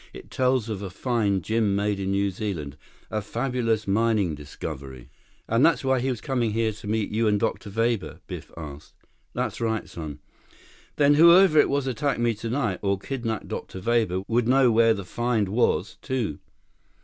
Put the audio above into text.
It tells of a find Jim made in New Zealand—a fabulous mining discovery." "And that's why he was coming here to meet you and Dr. Weber?" Biff asked. "That's right, son." "Then whoever it was attacked me tonight, or kidnaped Dr. Weber, would know where the find was, too?"